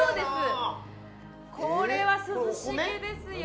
これは涼しげですよ